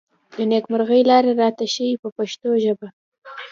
د نېکمرغۍ لارې راته ښيي په پښتو ژبه.